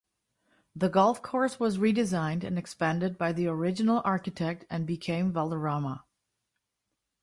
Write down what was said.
The golf course was redesigned and expanded by the original architect and became Valderrama.